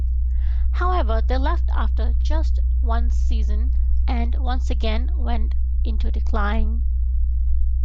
However they left after just one season and once again went into decline.